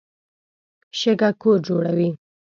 شګه کور جوړوي.